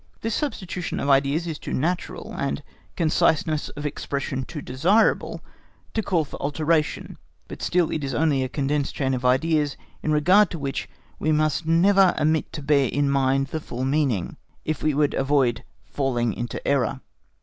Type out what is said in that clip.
This substitution of ideas is too natural and conciseness of expression too desirable to call for alteration, but still it is only a condensed chain of ideas in regard to which we must never omit to bear in mind the full meaning, if we would avoid falling into error.